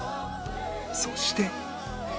そして